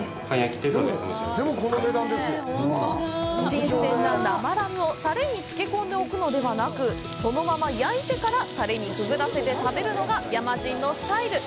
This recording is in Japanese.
新鮮な生ラムをタレに漬け込んでおくのではなくそのまま焼いてからタレにくぐらせて食べるのが、やまじんのスタイル。